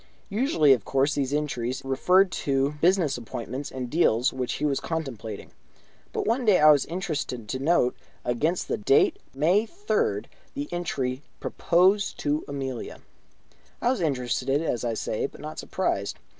Usually, of course, these entries referred to business appointments and deals which he was contemplating, but one day I was interested to note, against the date May 3rd, the entry: "Propose to Amelia" I was interested, as I say, but not surprised.